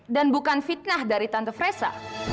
dan bukan fitnah dari tante fresa